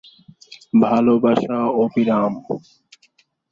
এটি ব্রডগেজ রেলপথ দ্বারা মেচেদায় হাওড়া-খড়গপুর শাখার সঙ্গে যুক্ত।